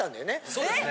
そうですね。